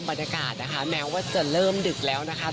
บรรยากาศนะคะแม้ว่าจะเริ่มดึกแล้วนะคะ